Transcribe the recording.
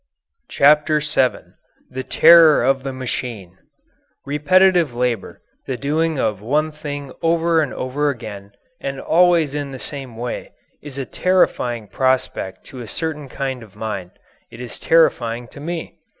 CHAPTER VII THE TERROR OF THE MACHINE Repetitive labour the doing of one thing over and over again and always in the same way is a terrifying prospect to a certain kind of mind. It is terrifying to me.